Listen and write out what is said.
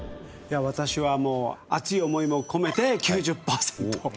私はもう熱い思いも込めて９０パーセント。